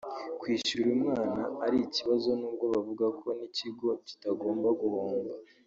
kwishyurira umwana ari ikibazo n’ubwo bavuga ko n’ikigo kitagomba guhomba